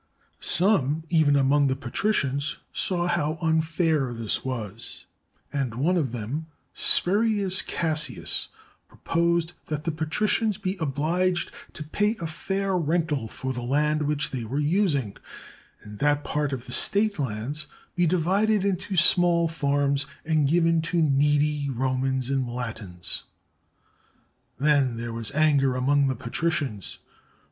Some, even among the patricians, saw how unfair this 294 HOW THE PLEBEIANS WON THEIR RIGHTS was, and one of them, Spurius Cassius, proposed that the patricians be obliged to pay a fair rental for the land which they were using, and that part of the state lands be divided into small farms and given to needy Romans and Latins. Then there was anger among the patricians.